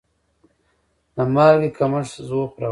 د مالګې کمښت ضعف راولي.